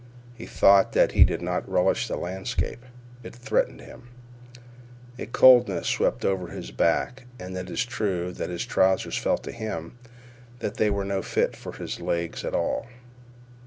He thought that he did not relish the landscape. It threatened him. A coldness swept over his back, and it is true that his trousers felt to him that they were no fit for his legs at all.